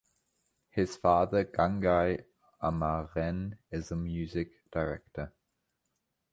His father Gangai Amaren is a music director.